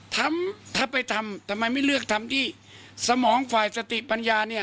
ทำถ้าไปทำทำไมไม่เลือกทำที่สมองฝ่ายสติปัญญาเนี่ย